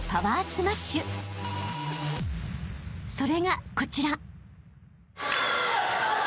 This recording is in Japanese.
［それがこちら］